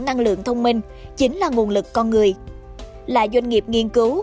năng lượng thông minh chính là nguồn lực con người là doanh nghiệp nghiên cứu